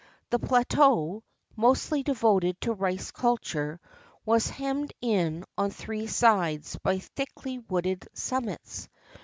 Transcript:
The plateau, mostly devoted to rice culture, was hemmed in on three sides by thickly wooded summits.